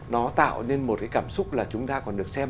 nó tạo nên một cái cảm xúc là chúng ta còn được xem